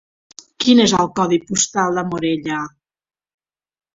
Quin és el codi postal de Morella?